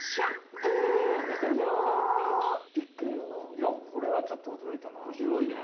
いやこれはちょっとおどろいたな。